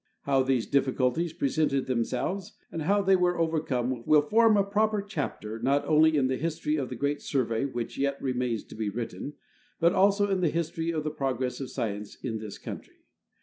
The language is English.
How these difficulties presented themselves and how they were over come will form a proper chapter not only in the history of the great Survey which yet remains to be written, but also in the his tory of the progress of science in this country.